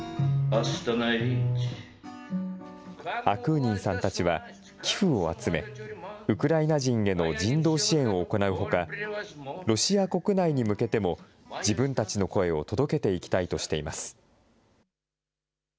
アクーニンさんたちは寄付を集め、ウクライナ人への人道支援を行うほか、ロシア国内に向けても、自分たちの声を届けていきたいとしています。